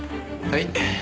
はい。